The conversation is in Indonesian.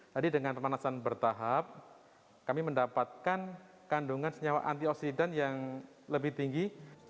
jadi dengan pemanasan bertahap kami mendapatkan kandungan senyawa antioksidan yang lebih tinggi